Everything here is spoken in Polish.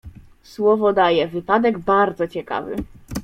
"Słowo daję, wypadek bardzo ciekawy“."